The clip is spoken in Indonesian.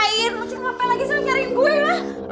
mesin ngapain lagi selalu cari gue lah